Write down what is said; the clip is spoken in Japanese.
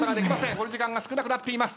残り時間が少なくなっています。